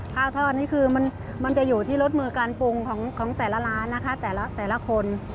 ข้าวทอดนี่คือมันจะอยู่ที่รสมือการปรุงของแต่ละร้านนะคะแต่ละคน